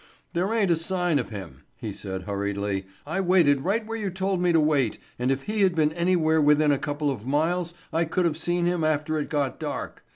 "There ain't a sign of him," he said hurriedly. "I waited right where you told me to wait, and if he'd have been anywhere within a couple of miles I could have seen him after it got dark.